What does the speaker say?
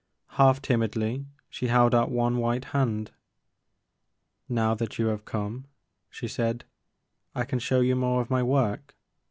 Half timidly she held out one white hand. " Now that you have come," she said, I can show you more of my work.